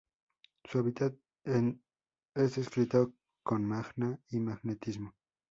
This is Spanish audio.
Su hábitat es descrito con magma y magnetismo.